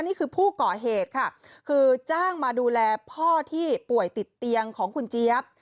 นี่คือผู้ก่อเหตุค่ะคือจ้างมาดูแลพ่อที่ป่วยติดเตียงของคุณเจี๊ยบ